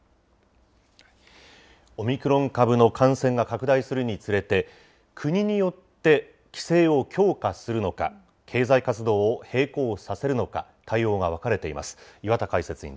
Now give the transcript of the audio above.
オミクロン株の感染が拡大するにつれて、国によって規制を強化するのか、経済活動を並行させるのか、対応が分かれています。